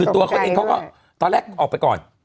ตอนแรกเอาไปก่อน